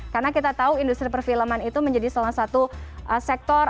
karena kita tahu industri perfilman itu menjadi salah satu sektor